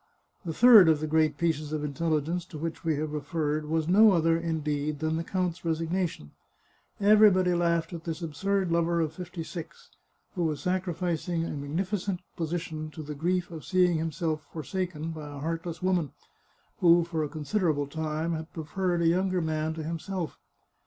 The third of the great pieces of intelligence to which we have referred was no other, indeed, than the count's resignation. Everybody laughed at this absurd lover of fifty six, who was sacrificing a magnificent position to the grief of seeing himself forsaken by a heart less woman, who, for a considerable time, had preferred a younger man to himself.